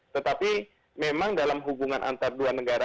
tetapi memang dalam hubungan antar dua negara